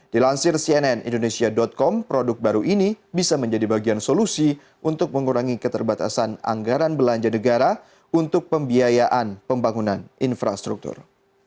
dilansir cnn indonesia com produk baru ini bisa menjadi bagian solusi untuk mengurangi keterbatasan anggaran belanja negara untuk pembiayaan pembangunan infrastruktur